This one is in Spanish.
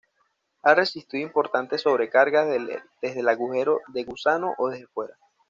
Ha resistido importantes sobrecargas desde el agujero de gusano o desde fuera.